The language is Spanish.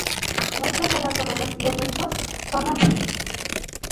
Muchas de las orugas y adultos son activos en el día.